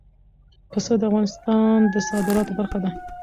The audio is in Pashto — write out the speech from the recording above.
پسه د افغانستان د صادراتو برخه ده.